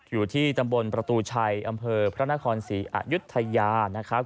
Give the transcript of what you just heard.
อยู่ที่ตำบลประตูชัยอำเภอพระนครศรีอายุทยานะครับ